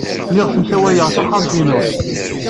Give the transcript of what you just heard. Lliɣ ssemsawayeɣ taxxamt-inu.